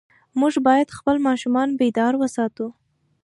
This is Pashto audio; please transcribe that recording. موږ باید خپل ماشومان بیدار وساتو.